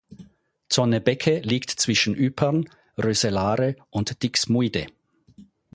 Zonnebeke liegt zwischen Ypern, Roeselare und Diksmuide.